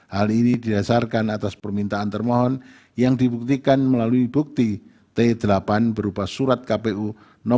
hal ini didasarkan atas permintaan termohon yang dibuktikan melalui bukti t delapan berupa surat kpu no empat ribu tiga ratus tiga puluh delapan